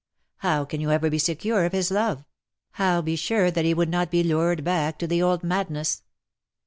How can you ever be secure of his love ? how be sure that he would not be lured back to the old madness